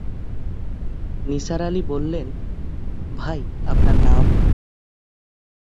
নিসার আলি বললেন, ভাই, আপনার নাম?